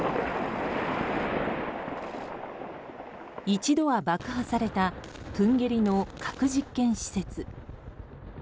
一度は爆破されたプンゲリの核実験施設。